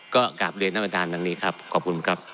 ก็กราบเรียนนับประทานทางนี้ครับขอบคุณครับ